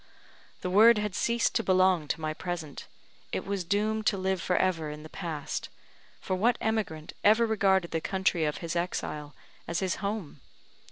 the word had ceased to belong to my present it was doomed to live for ever in the past; for what emigrant ever regarded the country of his exile as his home?